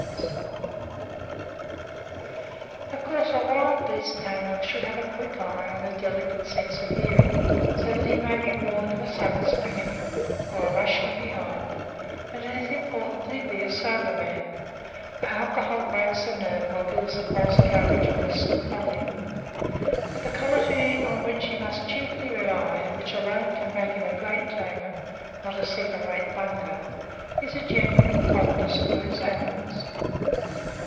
[Illustration: BEGINNING THE TRAINING.] Of course a wild beast tamer should have a quick eye and a delicate sense of hearing, so that he may be warned of a sudden spring at him or a rush from behind; and it is important that he be a sober man, for alcohol breaks the nerve or gives a false courage worse than folly: but the quality on which he must chiefly rely and which alone can make him a great tamer not a second rate bungler is a genuine fondness for his animals.